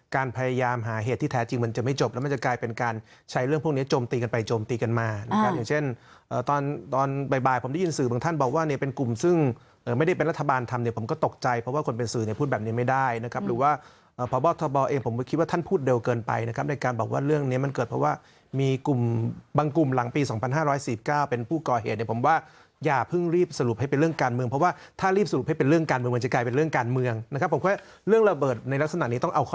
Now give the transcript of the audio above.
การพยายามหาเหตุที่แท้จริงมันจะไม่จบแล้วมันจะกลายเป็นการใช้เรื่องพวกเนี้ยโจมตีกันไปโจมตีกันมานะครับอย่างเช่นตอนตอนบ่ายบ่ายผมได้ยินสื่อบางท่านบอกว่าเนี้ยเป็นกลุ่มซึ่งเอ่อไม่ได้เป็นรัฐบาลทำเนี้ยผมก็ตกใจเพราะว่าคนเป็นสื่อเนี้ยพูดแบบนี้ไม่ได้นะครับหรือว่าเอ่อพอบอสทบอลเองผมคิดว่าท่